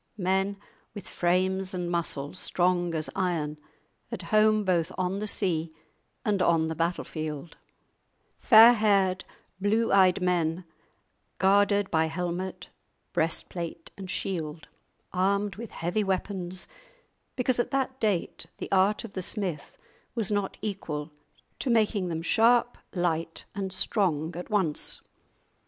Men with frames and muscles strong as iron; at home both on the sea and on the battle field; fair haired, blue eyed men, guarded by helmet, breast plate, and shield, armed with heavy weapons, because at that date the art of the smith was not equal to making them sharp, light, and strong at once.